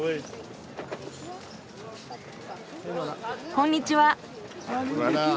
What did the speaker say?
こんにちは。